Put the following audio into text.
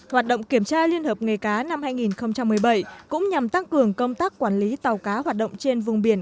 hoạt động kiểm tra liên hợp nghề cá năm hai nghìn một mươi bảy cũng nhằm tăng cường công tác quản lý tàu cá hoạt động trên vùng biển